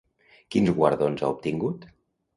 Quins guardons ha obtingut?